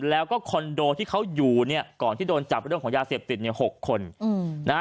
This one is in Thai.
แล้วก็คอนโดที่เขาอยู่ก่อนที่โดนจับเรื่องของยาเสพติด๖คน